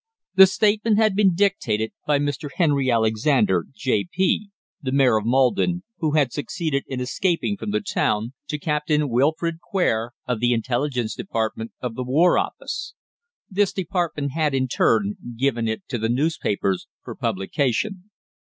The statement had been dictated by Mr. Henry Alexander, J.P., the Mayor of Maldon, who had succeeded in escaping from the town, to Captain Wilfred Quare, of the Intelligence Department of the War Office. This Department had, in turn, given it to the newspapers for publication.